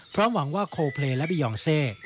หวังว่าโคเพลย์และบียองเซ